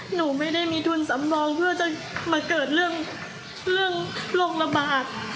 หนูไม่ได้มีทุนสำรองเพื่อจะมาเกิดเรื่องโรคระบาด